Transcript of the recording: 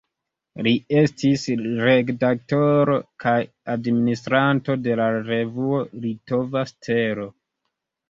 Li estis redaktoro kaj administranto de la revuo "Litova Stelo".